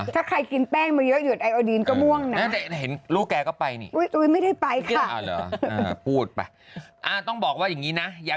ถ้าใครกินแป้งมาเยอะหยุดไอโอดีนก็ม่วงนะ